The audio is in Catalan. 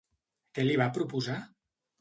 Què li va proposar?